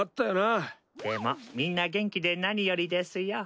でもみんな元気で何よりですよ。